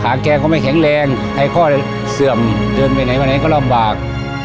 แกก็ไม่แข็งแรงไอคอเลยเสื่อมเดินไปไหนมาไหนก็ลำบาก